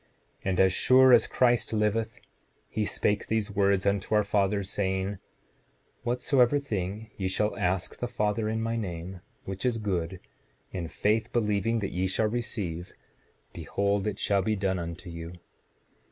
And as sure as Christ liveth he spake these words unto our fathers, saying: Whatsoever thing ye shall ask the Father in my name, which is good, in faith believing that ye shall receive, behold, it shall be done unto you.